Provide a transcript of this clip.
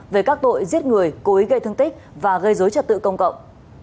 về các tội giết người cố ý gây thương tích và gây dối trật tự công cộng